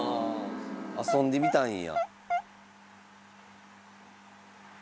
遊んでみたいんや。